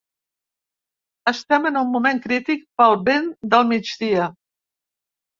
Estem en un moment crític pel vent del migdia.